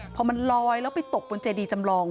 พอมันลอยแล้วไปตกบนเจดีจำลอง